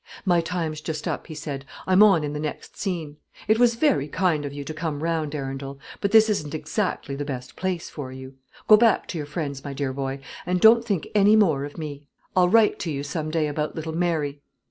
"My time's just up," he said; "I'm on in the next scene. It was very kind of you to come round, Arundel; but this isn't exactly the best place for you. Go back to your friends, my dear boy, and don't think any more of me. I'll write to you some day about little Mary."